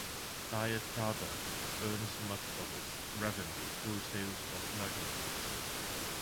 Diet Prada earns much of its revenue through sales of merchandise.